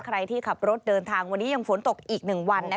ใครที่ขับรถเดินทางวันนี้ยังฝนตกอีก๑วัน